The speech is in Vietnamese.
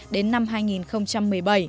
đến năm hai nghìn một mươi bảy